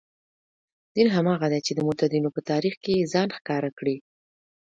دین هماغه دی چې د متدینو په تاریخ کې یې ځان ښکاره کړی.